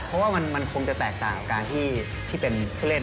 เพราะว่ามันคงจะแตกต่างกับการที่เป็นผู้เล่น